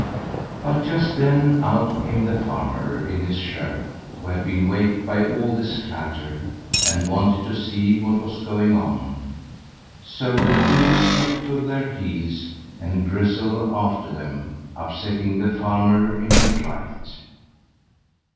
But just then out came the farmer in his shirt, who had been waked by all this clatter, and wanted to see what was going on. So the thieves took to their heels, and Grizzel after them, upsetting the farmer in her flight.